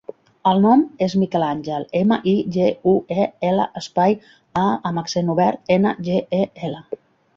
El nom és Miguel àngel: ema, i, ge, u, e, ela, espai, a amb accent obert, ena, ge, e, ela.